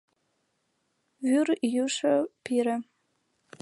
— Вӱр йӱшӧ пире!